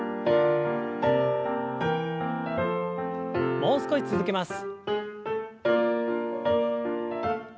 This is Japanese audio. もう少し続けます。